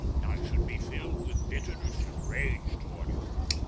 I should be filled with bitterness and rage toward you.